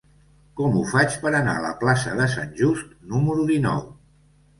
Com ho faig per anar a la plaça de Sant Just número dinou?